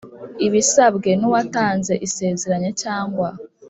abisabwe n uwatanze isezeranya cyangwa